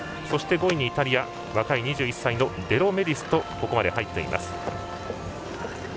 そして、５位にイタリア若い２１歳のデロメディスと入っています。